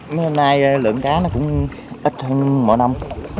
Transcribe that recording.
nên nay lượng cá nó cũng ít hơn mỗi năm